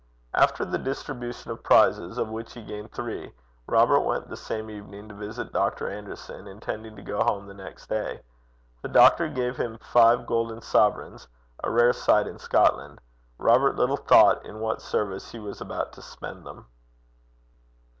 After the distribution of the prizes, of which he gained three, Robert went the same evening to visit Dr. Anderson, intending to go home the next day. The doctor gave him five golden sovereigns a rare sight in Scotland. Robert little thought in what service he was about to spend them.